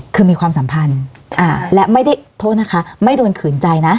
คือมีความสัมพันธ์และไม่ได้โทษนะคะไม่โดนขืนใจนะ